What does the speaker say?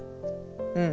うん。